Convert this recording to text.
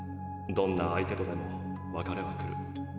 どんな相手とでも別れは来る。